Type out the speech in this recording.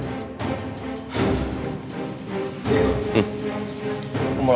ini kemana lagi nih gue harus cari mona ya